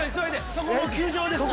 そこもう球場ですから。